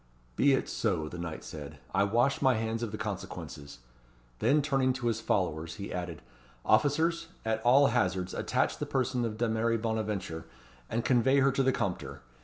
"Be it so," the knight said; "I wash my hands of the consequences." Then turning to his followers, he added "Officers, at all hazards, attach the person of Dameris Bonaventure, and convey her to the Compter.